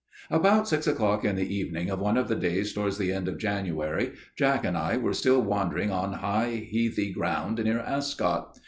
"About six o'clock in the evening of one of the days towards the end of January, Jack and I were still wandering on high, heathy ground near Ascot.